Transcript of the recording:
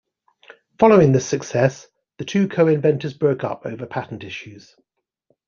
Following this success, the two co-inventors broke up over patent issues.